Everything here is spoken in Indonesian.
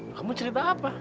kamu cerita apa